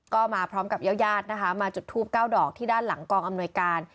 ก็มาพร้อมกับญาติญาตินะคะมาจุดทูปเก้าดอกที่ด้านหลังกองอำนวยการ